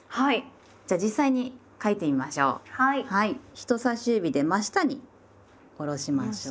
人さし指で真下に下ろしましょう。